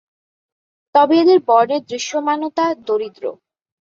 তবে এদের বর্ণের দৃশ্যমানতা দরিদ্র।